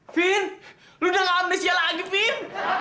vin lo udah gak amnesia lagi vin